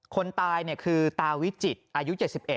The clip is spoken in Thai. คนตายคือตาวิจิตรอายุ๗๑